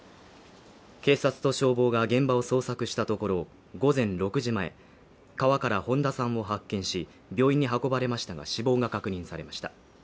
警察と消防が現場を捜索したところ、午前６時前、川から本田さんを発見し、病院に運ばれましたが死亡が確認されました。